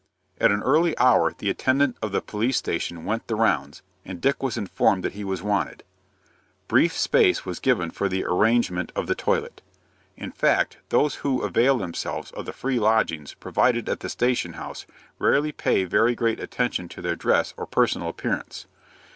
At an early hour the attendant of the police station went the rounds, and Dick was informed that he was wanted. Brief space was given for the arrangement of the toilet. In fact, those who avail themselves of the free lodgings provided at the station house rarely pay very great attention to their dress or personal appearance.